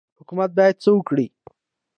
حکومت باید څه وکړي؟